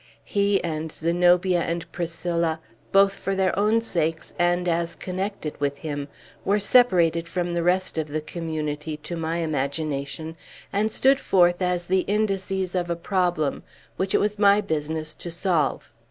He and Zenobia and Priscilla both for their own sakes and as connected with him were separated from the rest of the Community, to my imagination, and stood forth as the indices of a problem which it was my business to solve.